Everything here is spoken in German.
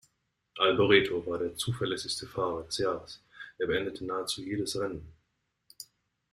Alboreto war der zuverlässigste Fahrer des Jahres; er beendete nahezu jedes Rennen.